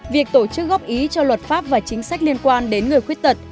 việc tổ chức góp ý cho luật pháp và chính sách liên quan đến người khuyết tật